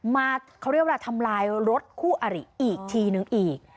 มาเขาเรียกว่าทำลายรถคู่อริอีกทีนึงอีก